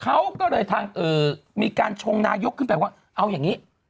เขาก็เลยทางมีการชงนายกขึ้นไปว่าเอาอย่างนี้